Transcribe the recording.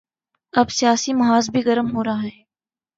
اب سیاسی محاذ بھی گرم ہو رہا ہے۔